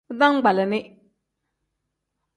Bitangbalini.